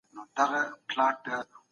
د سياستپوهني په لوستنه کي ځيني ستونزي سته.